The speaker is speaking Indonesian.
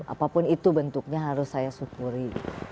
apapun itu bentuknya harus saya syukuri